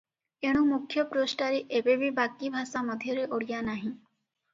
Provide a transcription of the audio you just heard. ଏଣୁ ମୁଖ୍ୟ ପୃଷ୍ଠାରେ ଏବେ ବି ବାକି ଭାଷା ମଧ୍ୟରେ ଓଡ଼ିଆ ନାହିଁ ।